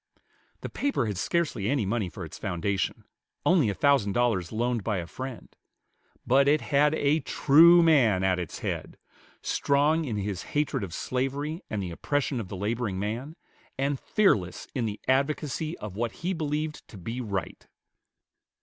The paper had scarcely any money for its foundation, only a thousand dollars loaned by a friend, but it had a true man at its head, strong in his hatred of slavery, and the oppression of the laboring man, and fearless in the advocacy of what he believed to be right.